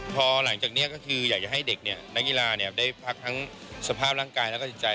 พอหลังจากนี้ก็คืออยากจะให้เด็กนักกีฬาได้พักทั้งสภาพร่างกายแล้วก็จิตใจ